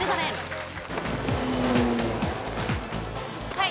「はい。